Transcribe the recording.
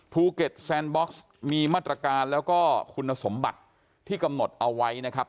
ภูเก็ตแซนบ็อกซ์มีมาตรการแล้วก็คุณสมบัติที่กำหนดเอาไว้นะครับ